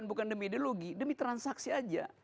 bukan demi ideologi demi transaksi aja